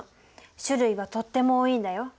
種類はとっても多いんだよ。